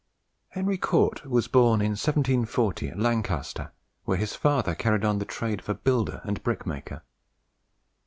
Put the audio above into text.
Henry Cort was born in 1740 at Lancaster, where his father carried on the trade of a builder and brickmaker.